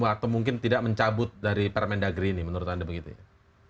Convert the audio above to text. atau mungkin tidak mencabut dari permendagri ini menurut anda begitu ya